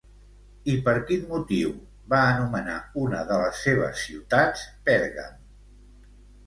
I per quin motiu va anomenar una de les seves ciutats Pèrgam?